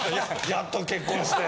やっと結婚して。